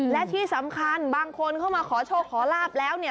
และที่สำคัญบางคนเข้ามาขอโชคขอลาบแล้วเนี่ย